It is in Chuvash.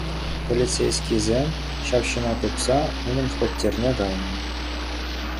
Полицейскисем ҫав ҫынна тупса унӑн хваттерне кайнӑ.